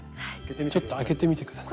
ちょっと開けてみて下さい。